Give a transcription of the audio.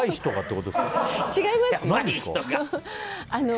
違いますよ。